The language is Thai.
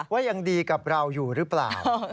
ว่ายังดีกับเราอยู่หรือเปล่า